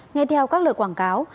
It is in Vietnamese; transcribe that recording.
nghe theo các lời quảng cáo